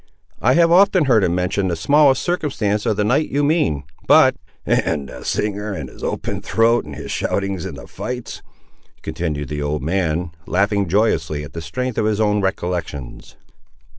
"I have often heard him mention the smallest circumstance of the night you mean; but—" "And the singer; and his open throat; and his shoutings in the fights!" continued the old man, laughing joyously at the strength of his own recollections.